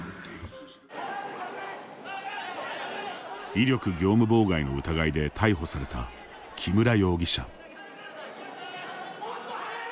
威力業務妨害の疑いで逮捕された木村容疑者。